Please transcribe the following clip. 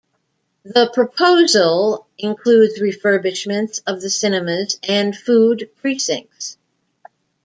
The proposal includes refurbishments of the cinemas and food precincts.